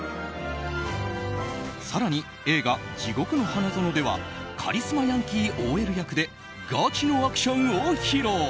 更に、映画「地獄の花園」ではカリスマヤンキーＯＬ役でガチのアクションを披露。